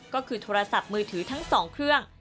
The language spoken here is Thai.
ก็คือโทรศัพท์มือถือทั้ง๒เครื่อง